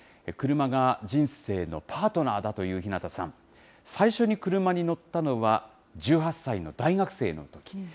クルマが人生のパートナーだという日向さん、最初にクルマに乗ったのは１８歳の大学生のとき。